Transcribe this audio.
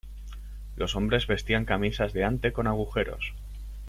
Los hombres vestían camisas de ante con agujeros.